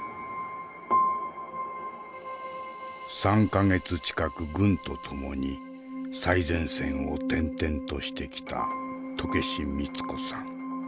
３か月近く軍と共に最前線を転々としてきた渡慶次ミツ子さん。